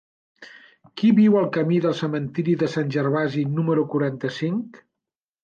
Qui viu al camí del Cementiri de Sant Gervasi número quaranta-cinc?